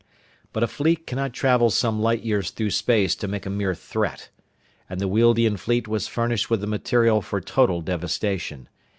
But a fleet cannot travel some light years through space to make a mere threat. And the Wealdian fleet was furnished with the material for total devastation.